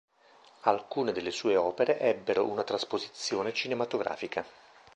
Alcune delle sue opere ebbero una trasposizione cinematografica.